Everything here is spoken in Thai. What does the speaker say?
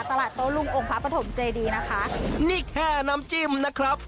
ตลาดโต๊ลุงองค์พระปฐมเจดีนะคะนี่แค่น้ำจิ้มนะครับ